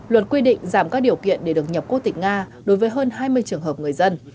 luật quy định giảm các điều kiện để được nhập quốc tịch nga đối với hơn hai mươi trường hợp người dân